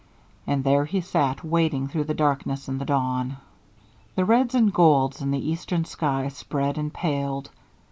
And there he sat waiting through the darkness and the dawn. The reds and golds in the eastern sky spread and paled.